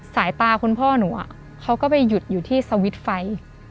สายตาคุณพ่อหนูเขาก็ไปหยุดอยู่ที่สวิตช์ไฟ